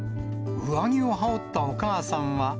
上着を羽織ったお母さんは。